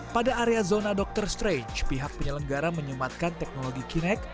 pada area zona dr strange pihak penyelenggara menyematkan teknologi kinect